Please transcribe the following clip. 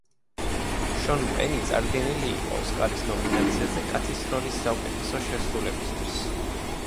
შონ პენი წარდგენილი იყო ოსკარის ნომინაციაზე კაცის როლის საუკეთესო შესრულებისთვის.